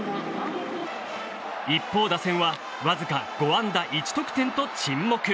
一方、打線はわずか５安打１得点と沈黙。